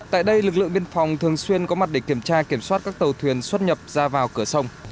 tại đây lực lượng biên phòng thường xuyên có mặt để kiểm tra kiểm soát các tàu thuyền xuất nhập ra vào cửa sông